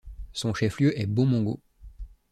Son chef-lieu est Bomongo.